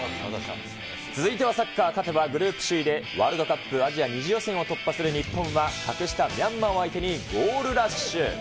続いてはサッカー、勝てばグループ首位でワールドカップアジア２次予選を突破する日本は格下、ミャンマーを相手にゴールラッシュ。